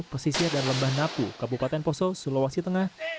pesisir dan lembah napu kabupaten poso sulawesi tengah